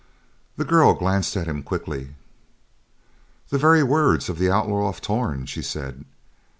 The girl glanced at him quickly. "The very words of the Outlaw of Torn," she said.